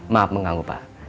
maaf mengganggu pak